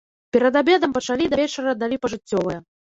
Перад абедам пачалі, да вечара далі пажыццёвае.